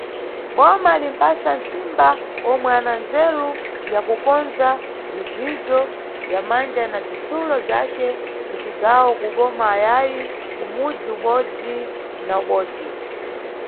Boma limʼpasa ntsimba omwe ana ndzeru ya kukondza migijo ya manja na bzitsulo bzace ku cigawo, ku boma ayayi kumudzi ubodzi na ubodzi.